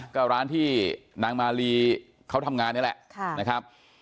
ก็ร้านที่นางมาลีเขาทำงานนี่แหละนะครับ